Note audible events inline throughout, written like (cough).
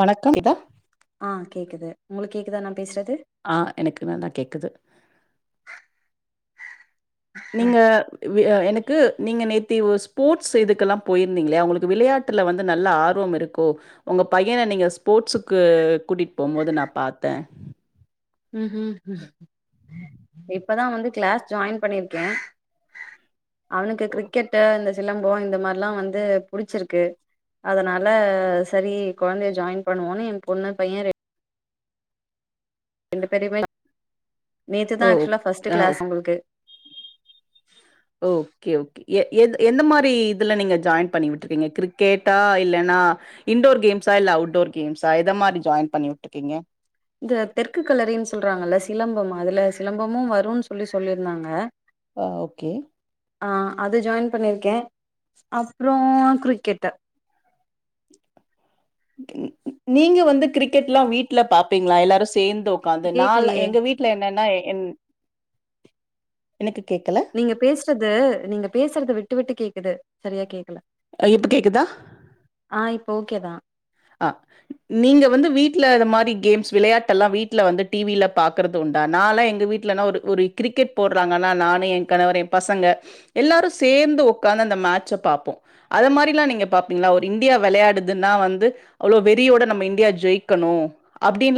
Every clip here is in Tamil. வணக்கம் இதா ஆ கேட்குது உங்களுக் கேக்குதா நா பேஸ்றது ஆ எனக் நல்லா கேக்குது நீங்க எனக்கு நீங்க நேத்தி ஸ்போர்ட்ஸ் இதுக்கெல்லா போய்ருந்தீங்லியா உங்களுக்கு விளையா ட்டுல வந்து நல்ல ஆர்வம் இருக்கோ உங்க பையன நீங்க ஸ்போர்ட்ஸுக்கு கூட்டிட் போம் போது நா பாத்தே ம் இப்பதா வந்து கிளாஸ் ஜாயின் பண்ணிருக்கே அவனுக்கு ஓ கிரிக்கெட்டு இந்த சிலம்போ இந்த மார்லா வந்து புடிச்சிருக்கு அதனால சரி கொழந்தய ஜாயின் பண்ணுவோன்னு எ பொண்ணு பைய ரெண்டு பேரையுமே நேத்து தா ஓ ஆக்சுவலா ஃபர்ஸ்ட் ஆ ஓ, கிளாஸ் உங்களுக்கு ஓகே ஓகே எ எ எந்த மாரி இதுல நீங்க ஜாயின் பண்ணி விட்ருக்கீங்க கிரிக்கெட்டா இல்லன்னா இண்டோர் கேம்ஸா இல்ல அவுட்டோர் கேம்ஸா எத மாரி ஜாயின் பண்ணி உட்ருக்கீங்க இந்த தெற்கு கலரின் சொல்றாங்கல சிலம்பம் அதுல சிலம்பமும் வரூ சொல்லி சொல்லியிருந்தாங்க ஆ ஓகே ஆ அது ஜாயின் பண்ணிருக்கே அப்றோ கிரிக்கெட்டு நீங்க வந்து கிரிக்கெட் எல்லா வீட்ல பாப்பீங்களா எல்லாரு சேந்து உக்காந்து ந கேக்கலையே எங்க வீட் என்னனா என் எனக்கு கேக்கல நீங்க பேசுறது நீங்க பேசுறது விட்டு விட்டு கேக்குது சரியா கேக்கல ஆ இப்ப கேக்குதா ஆ இப்போ ஓகே தா ஆ நீங்க வந்து வீட்ல இதுமாரி கேம்ஸ் வெளையாட்டல்லா வீட்ல வந்து டி வில பாக்கறதுண்டா நா ல எங்க வீட்லனா ஒரு ஒரு கிரிக்கெட் போட்றாங்கள நானு என் கணவர் என் பசங்க எல்லாரு சேந்து உக்காந்து அந்த மேச்ச பாப்போ அது மாரிலா நீங்க பாப்பீங்களா ஒரு இந்தியா வெளயாடுதுனா வந்து அவ்ள வெறியோட நம்ம இந்தியா ஜெயிக்கணும்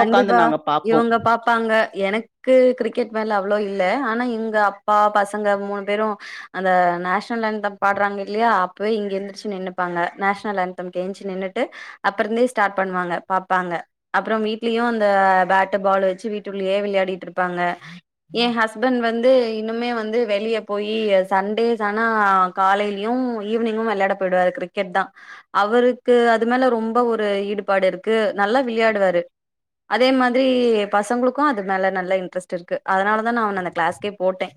கண்டிப்பா இவுங்க பாப்பாங்க எனக் க்கு கிரிக்கெட் மேல அவ்ளவு இல்ல ஆனா எங்க அப்பா பசங்க மூணு பேரு அந்த நேஷனல்லாந்தம் பாடுறாங்க இல்லயா அப்பவே இங்க எந்ரிச்சு நின்னுப்பாங்க நேஷனல் லாந்தம் எந்ரிச்சு நின்னுட்டு அப்றந்தே ஸ்டார்ட் பண்ணுவாங்க பாப்பாங்க அப்றம் வீட் வீட்லயு அந்த பேட்டு பால் வச்சு வீட்ள்ளேயே வெளையாடிட்டு இருப்பாங்க என் ஹஸ்பண்ட் வந்து இன்னுமே வந்து வெளிய போயி சண்டேஸ் ஆனா காலைல்யூ ஈவினிங்கு வெளையாட போயிடுவாரு கிரிக்கெட் தா அவுருக்கு அது மேல ரொம்ப ஒரு ஈடுபாடு இருக்கு நல்லா விளையாடுவாரு அதே மாதிரி பசங்களுக்கு அது மேல நல்லா இன்ட்ரெஸ்ட்டு இருக்கு அதனால தா நா அவன அந்த கிளாஸ்கே போட்டே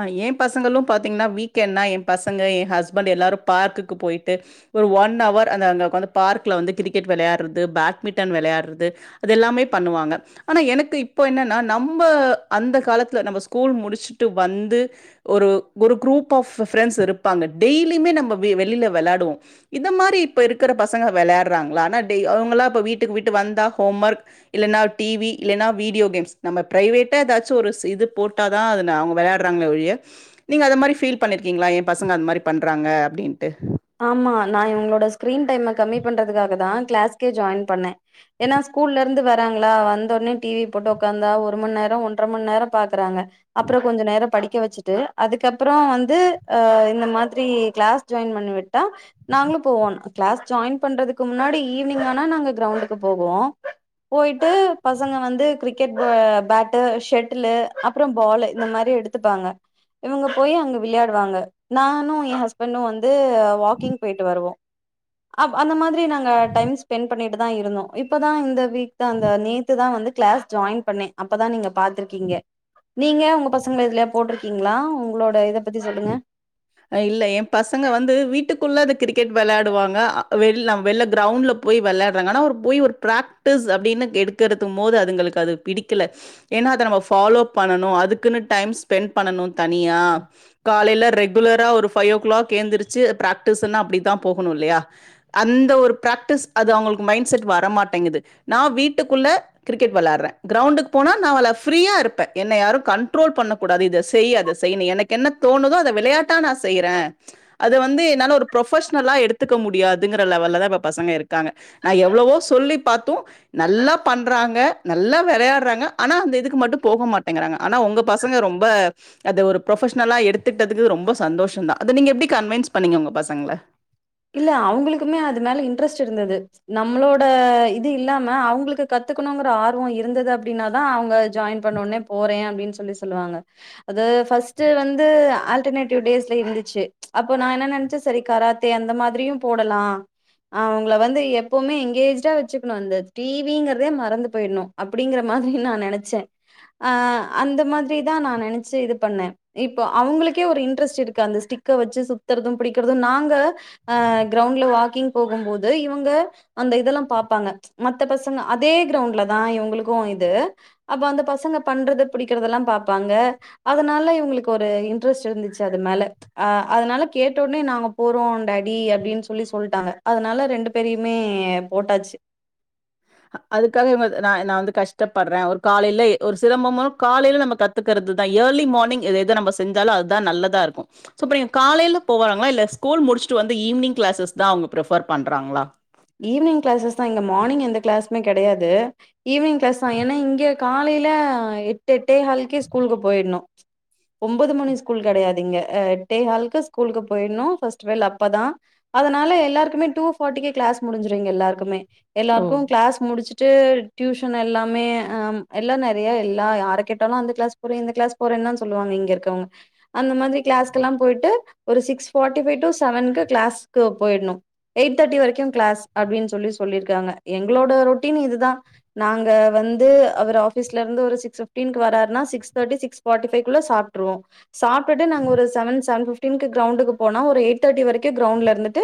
அ என் பசங்களு பாத்தீங்ன்னா வீக்கெண்ட்னா என் பசங்க என் ஹஸ்பண்ட் எல்லாரு பார்க்குக்கு போயிட்டு ஒரு ஒன் அவர் அந்த அந்த ஒக்காந்து பார்க்ல வந்து கிரிக்கெட் வெளையாட்றது பேட்மிண்டன் வெளையாட்றது அதெல்லாமே பண்ணுவாங்க ஆனா எனக்கு இப்ப என்னன்னா நம்ம அந்த காலத்துல நம்ம ஸ்கூல் முடிஸ்ட்டு வந்து ஒரு ஒரு குரூப் ஆஃப் பிரெண்ட்ஸ் இருப்பாங்க டெய்லியுமே நம்ம வெளில வேளாடுவோ இத மாரி இப்ப இருக்கிற பசங்க வேளாட்றாங்களா ஆனா டேய் அவுங்கலா இப்ப வீட்டுக்கு விட்டு வந்தா ஹோம் ஒர்க் இல்லன்னா டி வி இல்லைன்னா வீடியோ கேம்ஸ் நம்ம பிரைவேட்ட ஏதாச்சு ஒரு இது போட்டா தா அது அவு வேளயாட்றாங்களே ஒழிய நீங்க அத மாரி ஃபீல் பண்ணிருக்கீங்களா என் பசங்க அந்மாரி பண்றாங்க அப்டின்ட்டு ஆமா நா இவங்ளோட ஸ்க்ரீன் டைம்ம கம்மி பண்றதுக்காக தா கிளாஸ்கே ஜாயின் பண்ணே ஏன்னா ஸ்கூல்லேர்ந்து வராங்களா வந்த ஒன்னே டி வி போட்டு ஒக்காந்தா ஒருமணி நேரோ ஒன்ற மணி நேரோ பாக்றாங்க அப்றோ கொஞ்ச நேரோ படிக்கவேச்சுட்டு அதுக்கப்றோ வந்து அ இந்த மாத்ரி கிளாஸ் ஜாயின் பண்ணிவிட் டா நாங்ளு போவோ கிளாஸ் ஜாயின் பண்றதுக்கு முன்னாடி ஈவினிங் ஆனா நாங்க கிரௌண்டுக்கு போவோ போயிட்டு பசங்க வந்து கிரிக்கெட் ப பேட்டு ஷேட்டுலு அப்றோ பாலு இந்மாரி எடுத் த்துபாங்க இவ்ங்க போய் அங்க வெளையாடுவாங்க நானு என் ஹஸ்பண்ட்டோ வந்து வாக்கிங் போயிட்டு வருவோ அ அந்த மாத்ரி நாங்க டைம் ஸ்பெண்ட் பண்ணிட்டு தா இருந்தோ இப்பதா இந்த வீக் தா அந்த நேத்து தா வந்து கிளாஸ் ஜாயின் பண்ணே அப்பதா நீங்க பாத்திருக்கீங்க நீங்க உங்க பசங்கள எதுலய போட்ருக்கீங்களா உங்களோட இத பத்தி சொல்லுங்க இல்ல என் பசங்க வந்து வீட்டுக்குள்ள அது கிரிக்கெட் வெளயாடுவாங்க வெள்ள வெள்ள கிரௌண்ட்ல போய் வெளாட்றாங்க ஆனா ஒரு போய் ஒரு பிராக்டிஸ் அப்டின்னு எடுக்கற்து போது அதுங்களுக்கு அது பிடிக்கல ஏன்னா அத நம்ம பாலோப் பண்ணனு அதுக்குன்னு டைம் ஸ்பென் பண்ணனு தனியா காலையில ரெக் குலரா ஒரு ஃபைவ் ஓ கிளாக் எந்துர்ச்சு பிராக்டிஸூன்னா அப்டிதா போகணு இல்லயா அந்த ஒரு பிராக்டிஸ் அது அவுங்ளுக்கு மைண்ட் செட் வர மாட்டேங்கிது நா வீட்டுக்குள்ள கிரிக்கெட் வெளாற்ற கிரௌண்டுக்கு போனா நா ஃப்ரீயா இருப்ப என்ன யாரு கண்ட்ரோல் பண்ண கூடாது இத செய்ய அத செய்யுணு எனக்கு என்ன தோணுதோ அத விளையாட்டா நா செய்றே அத வந்து என்னால ஒரு ப்ரொபஷனலா எடுத்துக்க முடியாதுங்கிற லெவல்லதா இப்ப பசங்க இருக்காங்க நா எவளவோ சொல்லி பாத்து நல்லா பண்றாங்க நல்லா வெளையாட்றாங்க ஆனா அந்த இதுக்கு மட்டு போக மாட்டேங்கறாங்க ஆனா உங்க பசங்க ரொம்ப அது ஒரு ப்ரொபெஷனலா எடுத்துக்கிட்டதுக்கு ரொம்ப சந் சந்தோஷோன்தா அது நீங்க எப்டி கன்வின்ஸ் பண்ணீங்க உங்க பசங்கள இல்ல அவுங்ளுக்குமே அது மேல இன்ட்ரெஸ்ட் இர்ந்தது நம்ளோட இது இல்லாம அவுங்களுக்கு கத்துக்கணுங்ற ஆர்வோ இருந்தது அப்டின்னாதா அவுங்க ஜாய்ன் பண்ணோன்னே போறே அப்டின் சொல்லி சொல்லுவாங்க அது ஃபஸ்ட்டு வந்து ஆல்டர்னேடிவ் டேஸ்ல இருந்துச்சு அப்போ நா என்ன நெனச்சே செரி கராத் தே அந்த மாதிரியு போடலா அவ்ங்கள வந்து எப்பமே எங்கேஜ்டா வெச்சுக்கணு இந்த டிவிங்கிறதே மறந்து போயிட்ணோ அப்டிங்கிற மாத்ரி நா நெனச்சே ஆ அந்த மாதிரி தா நா நெனச்சு இது பண்ணே இப்போ அவுங்ளுக்கே ஒரு இன்ட்ரெஸ்ட் இருக்கு அந்த ஸ்டிக்க வெச்சு சுத்தற்தும் பிடிக்கற்து நாங்க அ கிரவுண்ட்ல வாக்கிங் போகும்போது இவுங்க அந்த இதெல்லா பாப்பாங்க மத்த பசங்க அதே கிரௌண்ட்லதா இவுங்களுக்கு இது அப்ப அந்த பசங்க பண்றது பிடிக்கற்தெல்லா பாப்பாங்க அதனால இவுங்களுக்கு ஒரு இன்ட்ரெஸ்ட் இருந்துச்சு அது மேல அ அதனால கேட்ட ஒன்னே நாங்க போறோ டாடி அப்டின் சொல்லி சொல்ட்டாங்க அதனால ரெண்டு பேரையுமே போட்டாச்சு அதுக்காக இவ்ங்க நா நா வந்து கஷ்டப்பட்றே ஒரு காலையில எ ஒரு சிலம்பமோ காலையில நம்ம கத் துக்கறது தா இயர்லி மார்னிங் எதெது நம்ம செஞ்சாலு அதுதா நல்லதா இருக்கு சோ ப்ப நீங்க காலையில போவாங்களா இல்ல ஸ்கூல் முடிச்சுட்டு வந்து ஈவினிங் கிளாஸஸ்தா அவங்க பிரிஃபேர் பண்றாங்ளா ஈவ்னிங் கிளாஸஸ்தா இங்க மார்னிங் எந்த கிளாஸுமே கெடையாது ஈவ்னிங் கிளாஸ்தா ஏனா இங்க காலையில எட்டு எட்டேஹாளுக்கே ஸ்கூலுக்கு போயிட்ணு ஒன்போது மணி ஸ்கூல் கெடையாதிங்க எட்ட கால்க்கு ஸ்கூலுக்கு போயிட்னு ஃபர்ஸ்ட்டு பெல் அப்பதா அதனால எல்லாருக்குமே டூ ஃபாட்டிக்கே கிளாஸ் முடிஞ்சிரு இங்க எல்லாருக்குமே எல்லாருக்கு ஓ! கிளஸ் முடிச்சிட் ட்டு டியூஷன் எல்லாமே அம் எல்லா நெறையா எல்லா யார கேட்டாலு அந்த கிளாஸ் போறே இந்த கிளாஸ் போறேன் தா சொல்லாங்க இங்க இருக்கவங்க அந்த மாதிரி கிளாஸ்கல்லா போய்ட்டு ஒரு சிக்ஸ்ஃபாட்டிஃபைவ்டு செவனுக்கு கிளாஸ்கு போயிட்ணு எயிட் தேர்ட்டி வரைக்கு கிளஸ் அப்டின் சொல்லி சொல்லிருக்காங்க எங்களோட ரொட்டீன் இதுதா நாங்க வந்து அவர் ஆஃபீஸ்லருந்து ஒரு சிக்ஸ் பிப்டீன்கு வராருன்னா சிக்ஸ் தேர்ட்டி சிக்ஸ் ஃபாட்டிஃபைக்குள்ள சாப்டுருவோ சாப்ட்டுட்டு நாங்க ஒரு செவன் செவன் பிப்டின்கு கிரௌண்டுக்கு போனா ஒரு எயிட் தேர்டி வரைக்கு கிரௌண்ட்ல இருந்துட்டு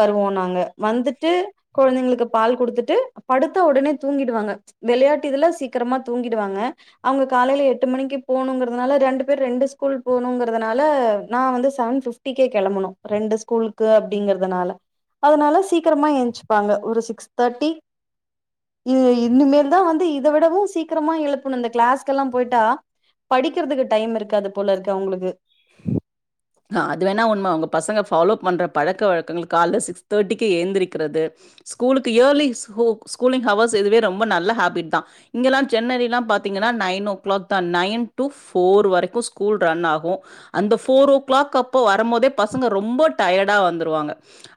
வருவோ நாங்க வந்துட்டு கொழந்தைங்குளுக்கு பால் குடுத்துட்டு படுத்தா உடனே தூங்கிடுவாங்க வெளையாட்டு இதுல சீக்கிரமா தூங்கிடுவாங்க அவங்க காலையில எட்டு மணிக்கி போணுங்கிறதுனால ரெண்டு பேர் ரெண்டு ஸ்கூல் போனுங்கிறதுனால நா வந்து செவன் பிப் டிகே கெளம்பனு ரெண்டு ஸ்கூலுக்கு அப்டிங்றதுனால அதனால சீக்கரமா எந்ச்சுப்பாங்க ஒரு சிக்ஸ் தேட்டி இது இன்னுமேல்தா வந்து இத விடவு சீக்கிரமா எழுப்பணு இந்த கிளாஸ்க்கெல்லா போயிட்டா படிக்கிறதுக்கு டைம் இருக்காது போல இருக்கு அவங்களுக்கு (unintelligible) அது வேணா உண்ம உங்க பசங்க ஃபாலோப் பண்ணுற பழக்க வழக்கங்கள் கால சிக்ஸ் தேர்ட்டிக்கு ஏந்திரிக்கிறது ஸ்கூலுக்கு ஏயர்லி ஸ் ஸ்கூலிங் ஹவர்ஸ் இதுவே ரொம்ப நல்ல ஹேபிட் தா இங்கெல்லா சென்னையல்லா பாத்தீங்கன்னா நைன் ஓ கிளாக் தா நைன் டு ஃபோர் வரைக்கு ஸ்கூல் ரன் ஆகும் அந்த ஃபோர் ஓ கிளாக் அப்ப வரும்போதே பசங்க ரொம்ப டயடா வந்துருவாங்க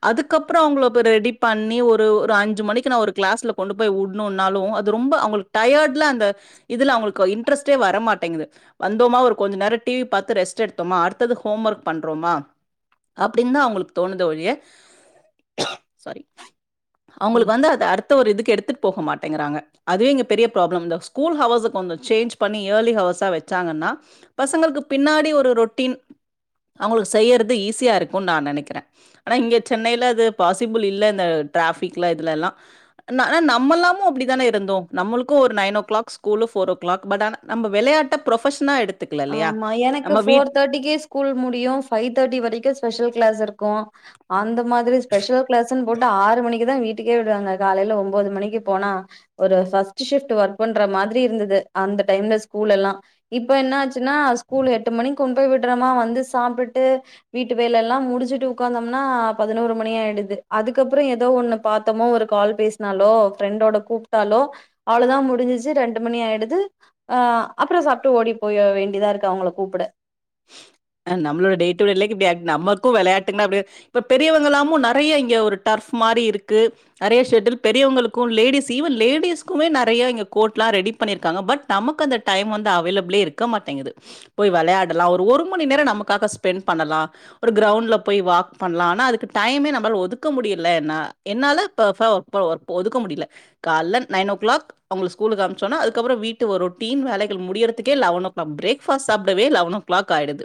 அதுக்கப்பறம் அவங்கள பா ரெடி பண்ணி ஒரு ஒரு அஞ்சு மணிக்கு நா ஒரு கிளாஸ்ல கொண்டு போய் வு னுனாலு அது ரொம்ப அவங்களுக் டயர்ட்ல அந்த இதுல அவங்களுக்கு இன்ட்ரஸ்ட்டே வர மாட்டேங்து வந்தோமா ஒரு கொஞ்சோ நேரோ டிவி பாத்த ரெஸ்ட் எடுத்தோமா அடுத்தது ஹோம்ஒர்க் பண்றோமா அப்டின்னு தா அவங்களுக்கு தோணுது ஒழிய சாரி ம் அவங்களுக்கு வந்து அத அடுத்த ஒரு இதுக்கு எடுத்துட்டு போக மாட்டேங்கிறாங்க அது இங்க பெரிய ப்ராப்ளம் இந்த ஸ்கூல் ஹவுர்ஸா கொஞ்ச சேஞ்ச் பண்ணி ஏயர்லி ஹவுர்ஸா வெச்சாங்கன்னா பசங்களுக்கு பின்னாடி ஒ ரொட்டீன் அவங்களுக்கு செய்யறது ஈஸியா இருக்குனு நா நெனைக்கிற ஆனா இங்க சென்னையில அது பாசிபிள் இல்ல இந்த டிராபிக்லா இதுல எல்லா ஆன நமல்லாமோ அப்டித்தான இருந்தோ நம்மளுக்கு ஒரு nine o'clock school four o'clock but ஆனா நம்ப வெளையாட்ட ப்ரொபஷ்னா எடுத் ஆமா எனக்கு ஃபோர் தேட்டிக்கு ஸ் கூல் முடியு பைவ் தேட்டி வரைக்கும் ஸ்பெஷல் கிளாஸ் இருக்கும் அந்த மாதிரி ஸ்பெஷல் கிளாஸ்ன் போட்டு ஆறு மணிக்கு தா வீட்டுக்கே விடுவாங்க காலையில ஒன்பது மணிக்கு போனா ஒரு ஃபஸ்ட் ஷிப்ட் ஒர்க் பண்ற மாதிரி இருந்தது அந்த டைம்ல ஸ்கூல் எல்லா இப்ப என்னாச் சின்னா ஸ்கூல் எட்டு மணிக்கு கொண் போய் விடுறோமா வந்து சாப்ட்டுட்டு வீட்டு வேலல்லா முடிச்சுட்டு உட்காந்தோம்னா பதினோரு மணி ஆயிடுது அதுக்கப்புறோ ஏதோ ஒண்ணு பாத்தமோ ஒரு கால் பேசினாலோ ஃப்ரெண்டோட கூப்ட்டாலோ அவ்ளதா முடிஞ்சிச்சு ரெண்டு மணி ஆயிடுது அஹ் அப்றோ சாப்ட்டு ஓடி போய் வேண் இப்டிதாருக்கு அவங்கள கூப்ட நம்மளோ டே டு லே இப்டி ஆ நமக்கு விளையாட்டுன்னா அப்டியே இப்ப பெரியவங்கல்லாமு நெறைய இங்க ஒரு டர்ஃப் மாரி இருக்கு நெறைய ஷட்டில் பெரியவங்களுக்கும் லேடிஸ் ஈவன் லேடிஸ்குமே நெறைய இங்க கோட்லா ரெடி பண்ணியிருக்காங்க பட் நமக்கு அந்த டைம் வந்து அவைலபிளே இருக்க மாட்டேங்குது போய் வெளையா எல்லா ஒரு ஒரு மணி நேரோ நமக்காக ஸ்பெண்ட் பண்ணலா ஒரு கௌரவுண்ட்ல போய் வாக் பண்லா ஆனா அதுக்கு டைமே நம்மளால ஒதுக்க முடியல என்னால (unintelligible) ஒதுக்க முடியல கால்ல நைன் ஓ கிளாக் அவங்கள ஸ்கூலுக்கு அம்சோனா அதுக்கப்புறோ வீட்டு வரோ ரொட்டின் வேலைகள் முடியறதுக்கே eleven o'clock breakfast சாப்படவே லவன் ஓ கிளாக் ஆயிடுது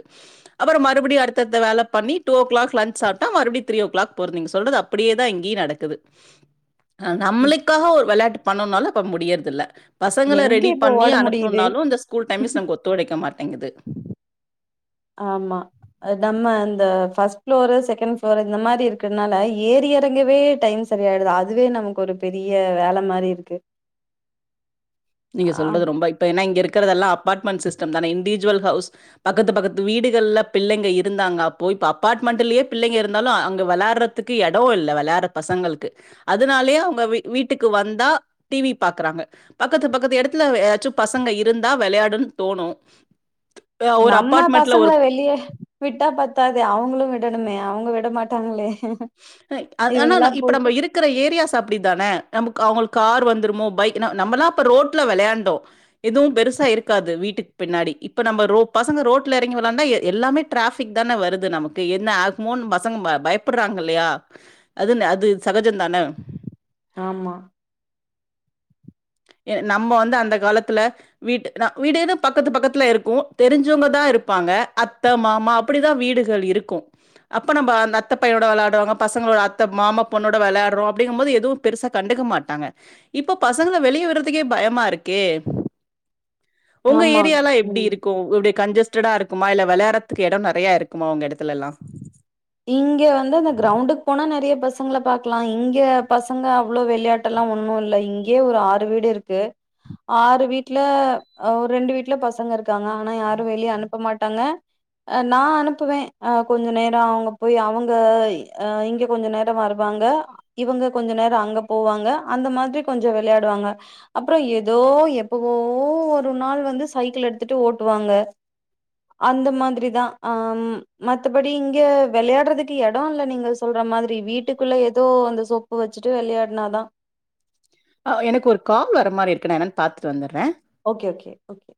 அப்றோ மறுபடி அடுத்த அடுத்த வேல பண்ணி டூ ஓ கிளாக் லஞ்ச் சாப்ட்டா மறுபடி த்ரி ஓ கிளாக் போற நீங்க சொல்றதா அப்டியேதா இங்கேயு நடக்குது அ ம். நம்மளுக்காக ஒரு வெளையாட்டு பண்ணணுனாலு அப்ப முடியறது இல்ல பசங்கள எங்க ரெடி இப்போ பண்ணி ஓட முடியுது அனுப்புனாலு அந்த ஸ்கூல் டைம்ஸ் நமக்கு ஒத்து ஒழைக்க மாட்டேங்குது ஆமா நம்ம அந்த ஃபர்ஸ்ட் ஃபளோர் செகண்ட் ஃபளோர் இந்த மாரி இருக்குறனால ஏறி இரங்கவே டைம்ஸ் செரியாயிடுது அதுவே நமக்கு ஒரு பெரிய வேல மாரி இருக்கு நீங்க ஆ சொல்றது ரொம்ப இப்ப ஏன இங்க இருக்கதெல்ல அப்பார்ட்மெண்ட் சிஸ்டம் தான இண்டிவிஜ்வல் ஹவுஸ் பக்கத்து பக்கத்து வீடுகல பிள்ளைங்க இருந்தாங்க அப்போ இப்ப அப்பார்ட்மெண்ட்லயே பிள்ங்க இருந்தாலு அங்க வெளாடுற த்துக்கு எடோ இல்ல வெளையாற பசங்களுக்கு அதனாலேயே அவுங்க வீ வீட்டுக்கு வந்தா டி வி பாக்குறாங்க பக்கத்து பக்கத்து எடத்துல ஏதாச்சு பசங்க இருந்தா விளையாடுன்னு தோணு நம்ம பசங்கள வெளியே விட்டா பத்தாதே அவுங்களு விடணுமே அவுங்க விட மாட்டாங்களே அ ஆனா நா இவங்கல்லா இப்ப போயிட்டு நம்ம இருக் இருக்குற ஏரியாஸ் அப்டித்தான நமக்கு அவுங்களுக்கு கார் வந்துருமோ பைக் ந நம்பல்லா அப்ப ரோட்ல விளையாண்டோ எதுவு பெருசா இருக்காது வீட்டுக்கு பின்னாடி இப்ப நம்ம ரோ பசங்க ரோட்ல எறங்கி விளாண்டா எ எல்லாமே டிராஃபிக் தான வருது நமக்கு என்ன ஆகுமோணு பசங்க ப பய கூப்ட்றாங்க இல்லையா அது அது சகஜோ தான ஆமா எ நம்ப வந்து அந்த காலத்துல வீட்டு நா வீடுனு பக்கத்து பக்கத்துல இருக்கோ தெரிஞ்சவங்க தா இருப்பாங்க அத்த மாமா அப் டிதா வீடுகள் இருக்கு அப்ப நம்ப நச் அத்த பையனோட விளையாட்ரவங்க பசங்க அத்த மாமா பொண்ணோட விளையாட்றோ அப்டிங்கு போது எதுவு பெருசா கண்டுக்க மாட்டாங்க இப்போ பசங்கள வெளிய விட்றதுக்கே பயமா இருக்கே உங்க ஆமா ஏரியாலா எப்டி ம் இருக்கு இப்டி கஞ்சஸ் இருக்குமா இல்ல வெளயாட்றதுக்கு எடோ நெறைய இருக்குமா உங்க எடத்துல இங்க வந்து அந்த கிரௌண்டுக் போனா நெறைய பஸ் ங்கள பாக்லா இங்க பசங்க அவ்ளோ வெளையாட்டல்லா ஒண்ணு இல்ல இங்கே ஒரு ஆறு வீடுருக்கு ஆறு வீட்ல ஒரு ஆ ரெண்டு வீட்ல பசங்க இருக்காங்க ஆனா யாரு வெளியே அனுப்ப மாட்டாங்க ஆ நா அனுப்புவே ஆ கொஞ்ச நேரோ அவ்ங் போய் அவுங்க ஆ இங்க கொஞ்ச நெரோ வருவாங்க இவங்க கொஞ்ச நேரோ அங்க போவாங்க அந்த மாதிரி கொஞ்ச விளையாடுவாங்க அ ஏதோ எப்பவோ ஒரு நாள் வந்து சைக்கிள் எடுத்துட்டு ஓட்டுவாங்க அந்த மாதிரி தா ஆ மத்தபடி இங்க வெளையாட்றதுக்கு எடோ இல்ல நீங்க சொல்ற மாதிரி வீட்டுக்குள்ள ஏதோ அந்த சொப்பு வச்சுட்டு வெளையாட்னாதா ஆ எனக்கு ஒரு கால் வர மாரி இருக்கு நா என்னன்னு பாத்துட்டு வந்துட்றே ஓகே ஓகே ஓகே